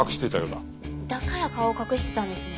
だから顔を隠してたんですね。